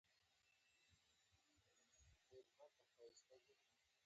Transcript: د تیارو سره په جنګ شي